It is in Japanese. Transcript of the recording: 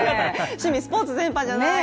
趣味、スポーツ全般じゃないです。